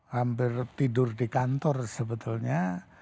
hampir tidur di kantor sebetulnya